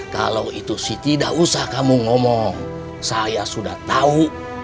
kalau itu sih tidak usah kamu ngomong saya sudah tahu